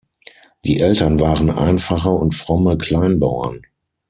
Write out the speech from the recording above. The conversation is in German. Die Eltern waren einfache und fromme Kleinbauern.